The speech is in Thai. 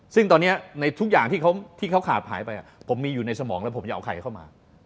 ซึ่งตอนนี้ในทุกอย่างที่เขาขาดหายไปผมมีอยู่ในสมองแล้วผมจะเอาใครเข้ามา